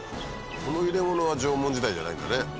この入れ物は縄文時代じゃないんだね。